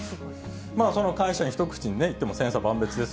その会社員、一口に言っても千差万別です。